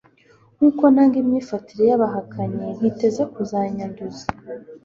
nk'uko nanga imyifatire y'abahakanyi; ntiteze kuzanyanduza